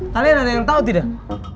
kalian ada yang tahu tidak